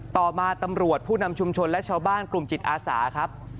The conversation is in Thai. ต่อมาตำรวจผู้นำชุมชนและชาวบ้านกลุ่มจิตอาสาครับ